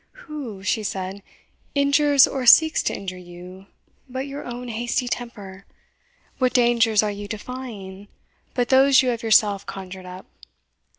"Who," she said, "injures or seeks to injure you, but your own hasty temper? what dangers are you defying, but those you have yourself conjured up?